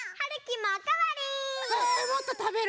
もっとたべる？